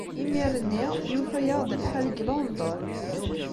Imir-nni, yufa-aɣ-d lḥal deg London.